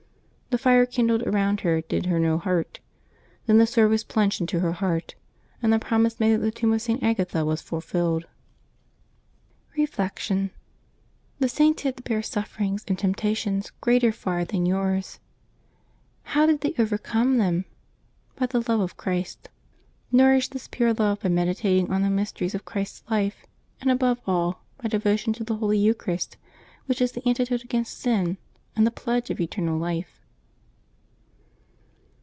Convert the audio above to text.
The fire kindled around her did her no hurt. Then the sword was plunged into her heart, and the promise made at the tomb of St. Agatha was fulfilled. Reflection. — The Saints had to bear sufferings and temptations greater far than yours. How did they over come them? By the love of Christ. Nourish this pure love by meditating on the mysteries of Christ's life; and, above all, by devotion to the Holy Eucharist, which is the antidote against sin and the pledge of eternal life.